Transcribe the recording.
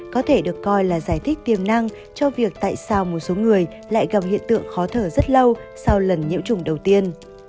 có thể được coi là giải thích tiềm năng cho việc tại sao một số người lại gặp hiện tượng khó thở rất lâu sau lần nhiễm trùng đầu tiên